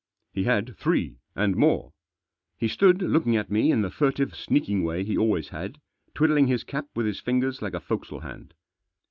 He had three— and more. He stood, looking at me in the furtive, sneaking way he always had, twiddling his cap with his fingers like a forecastle hand.